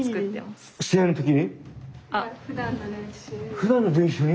ふだんの練習に？